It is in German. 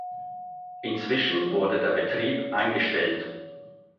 Inzwischen wurde der Betrieb eingestellt.